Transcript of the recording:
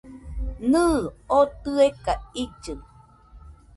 Nɨɨ, oo tɨeka illɨ .